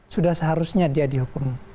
sudah seharusnya dia dihukum